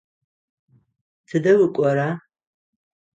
Тыдэ укӏора?